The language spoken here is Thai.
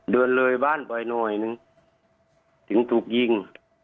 เดินเลยบ้านไปหน่อยนึงถึงถูกยิง